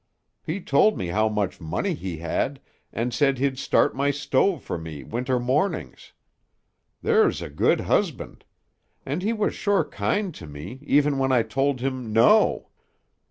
He told me how much money he had and said he'd start my stove for me winter mornings. There's a good husband! And he was sure kind to me even when I told him 'no.'